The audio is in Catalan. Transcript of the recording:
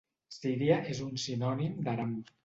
Syria és un sinònim d'Aram.